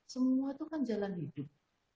semua itu kan jalan hidup